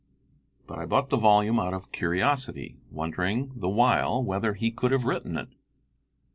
But I bought the volume out of curiosity, wondering the while whether he could have written it.